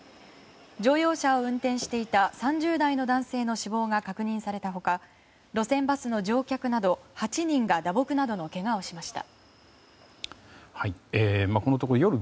乗用車を運転していた３０代の男性の死亡が確認がされた他路線バスの乗客など８人が打撲などのけがをしました。